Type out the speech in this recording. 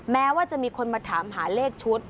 แม้ว่าจะมีคนมาถามหาเลขชุด